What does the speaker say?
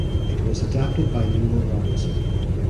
It was adapted by Noel Robinson.